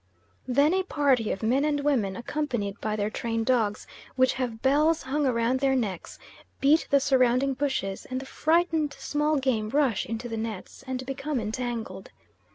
Then a party of men and women accompanied by their trained dogs, which have bells hung round their necks, beat the surrounding bushes, and the frightened small game rush into the nets, and become entangled.